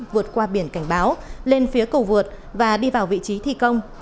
vượt qua biển cảnh báo lên phía cầu vượt và đi vào vị trí thi công